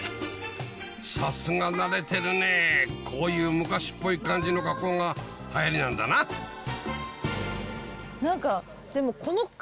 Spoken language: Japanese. さすが慣れてるねこういう昔っぽい感じの加工が流行りなんだな何かでも。